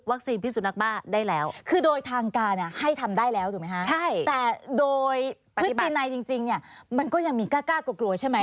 ให้ทำได้แล้วถูกไหมคะแต่โดยพฤติในจริงเนี่ยมันก็ยังมีกล้ากลัวใช่ไหม